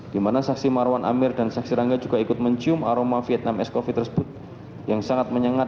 dimana saksi marwan amir dan saksi rangga juga ikut mencium aroma vietnam escoffee tersebut yang sangat menyangat